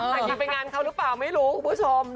อาจจะเป็นงานเขาหรือเปล่าไม่รู้คุณผู้ชม